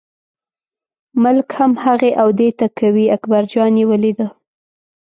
ملک هم هغې او دې ته کوي، اکبرجان یې ولیده.